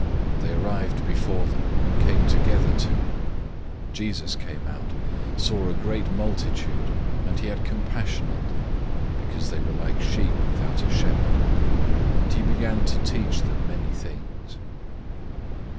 They arrived before them and came together to him. 006:034 Jesus came out, saw a great multitude, and he had compassion on them, because they were like sheep without a shepherd, and he began to teach them many things.